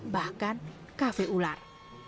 dan juga kafe ular